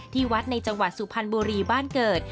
ที่วัดในจังหวัดสุพรรณบุรีบ้านเกิด